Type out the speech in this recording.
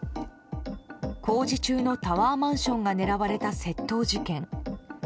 工事中のタワーマンションが狙われた窃盗事件。